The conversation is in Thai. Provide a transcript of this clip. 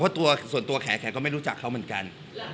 เพราะส่วนตัวแขก็ไม่รู้จักไม่รู้จักเค้าเหมือนกัน